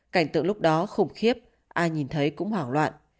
cảnh tượng lúc đó khủng khiếp ai nhìn thấy cũng hoảng loạn